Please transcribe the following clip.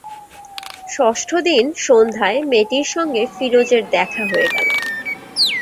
ষষ্ঠ দিন সন্ধ্যায় মেয়েটির সঙ্গে ফিরোজের দেখা হয়ে গেল।